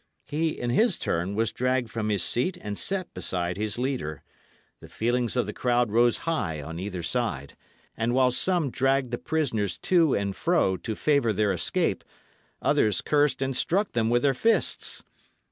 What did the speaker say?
He, in his turn, was dragged from his seat and set beside his leader. The feelings of the crowd rose high on either side, and while some dragged the prisoners to and fro to favour their escape, others cursed and struck them with their fists.